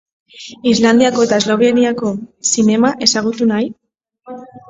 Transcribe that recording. Islandiako eta Esloveniako zinema ezagutu nahi?